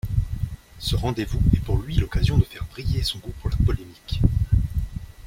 Ce rendez-vous est pour lui l'occasion de faire briller son goût pour la polémique.